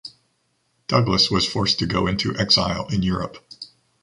Douglas was forced to go into exile in Europe.